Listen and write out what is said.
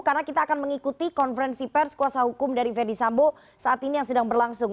karena kita akan mengikuti konferensi pers kuasa hukum dari fendi sambo saat ini yang sedang berlangsung